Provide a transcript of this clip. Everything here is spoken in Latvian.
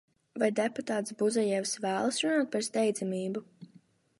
Vai deputāts Buzajevs vēlas runāt par steidzamību?